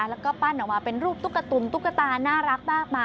แล้วก็ปั้นออกมาเป็นรูปตุ๊กตุ๋มตุ๊กตาน่ารักมากมาย